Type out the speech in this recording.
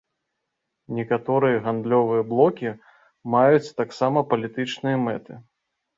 Некаторыя гандлёвыя блокі маюць таксама палітычныя мэты.